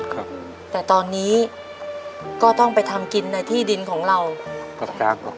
ครับแต่ตอนนี้ก็ต้องไปทำกินในที่ดินของเรากับตาก่อน